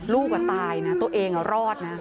ลูกกว่าตายนะตัวเองอะรอดนะ